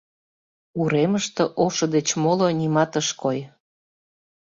Уремыште ошо деч моло нимат ыш кой.